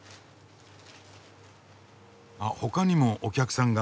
あっほかにもお客さんが。